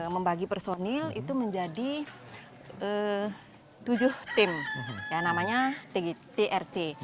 membagi personil itu menjadi tujuh tim namanya trc